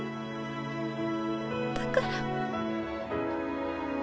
だから。